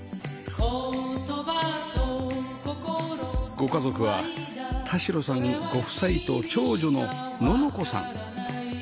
ご家族は田代さんご夫妻と長女の乃々子さん